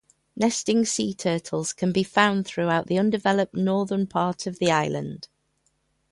Nesting sea turtles can be found throughout the undeveloped northern part of the island.